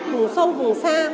vùng sâu vùng xa